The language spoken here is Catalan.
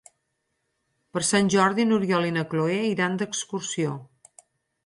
Per Sant Jordi n'Oriol i na Cloè iran d'excursió.